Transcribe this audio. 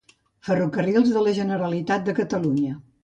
Ferrocarrils de la Generalitat de Catalunya.